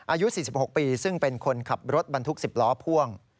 อายุ๔๖ปีซึ่งเป็นคนขับรถบรรทุก๑๐ล้อพ่วง